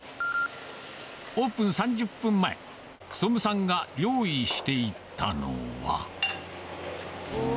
オープン３０分前、勉さんが用意していたのは。